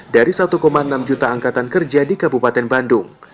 dari satu enam juta angkatan kerja di kabupaten bandung